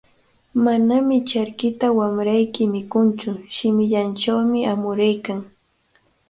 Manami charkita wamrayki mikuntsu, shimillanchawmi amuraykan.